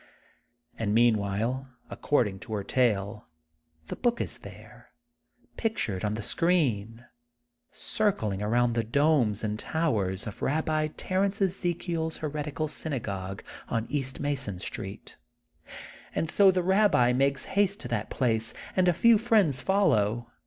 And meantime, according to her tale, the book is there, pictured on the screen, circling around the domes and towers of Babbi Ter ence EzekiePs heretical synagogue on east Mason Street. And so the Babbi makes haste to that place, and a few friends follow.